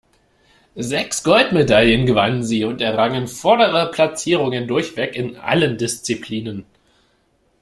Sechs Goldmedaillen gewannen sie und errangen vordere Platzierungen durchweg in allen Disziplinen.